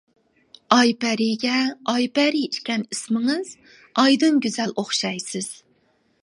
ئايپەرىگە ئايپەرى ئىكەن ئىسمىڭىز، ئايدىن گۈزەل ئوخشايسىز.